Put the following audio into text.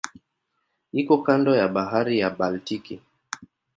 Iko kando ya Bahari ya Baltiki.